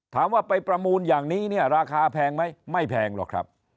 ถามว่าไปประมูลอย่างนี้เนี่ยราคาแพงไหมไม่แพงหรอกครับ